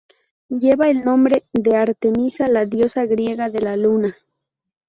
Lleva el nombre de Artemisa, la diosa griega de la luna.